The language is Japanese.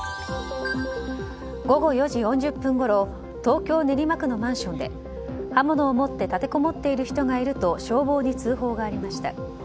午後４時４０分ごろ東京・練馬区のマンションで刃物を持って立てこもっている人がいると消防に通報がありました。